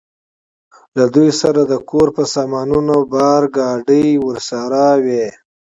له دوی سره د کور په سامانونو بار، ګاډۍ ورسره وې.